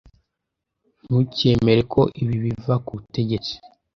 Ntukemere ko ibi biva kubutegetsi.